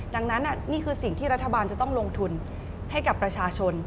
ดังนั้นนี่คือสิ่งที่รัฐบาลจะต้องลงทุนให้กับประชาชน